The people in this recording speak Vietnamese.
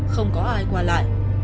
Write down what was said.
không có ai qua lại